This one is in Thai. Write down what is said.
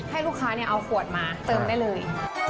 ให้ลูกค้าเอาขวดมาเติมได้เลย